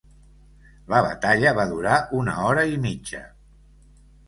La batalla va durar una hora i mitja.